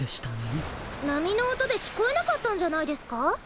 なみのおとできこえなかったんじゃないですか？